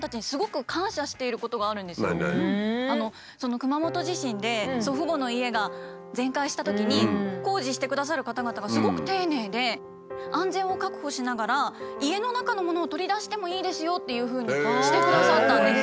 熊本地震で祖父母の家が全壊したときに工事してくださる方々がすごく丁寧で安全を確保しながら家の中のものを取り出してもいいですよっていうふうにしてくださったんです。